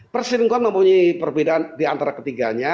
persinikwan mempunyai perbedaan di antara ketiganya